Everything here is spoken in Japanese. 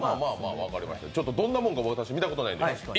どんなもんか私、見たことないので。